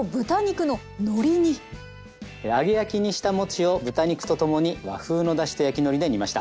揚げ焼きにした餅を豚肉とともに和風のだしと焼きのりで煮ました。